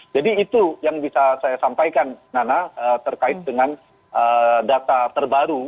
jadi itu yang bisa saya sampaikan nana terkait dengan data terbaru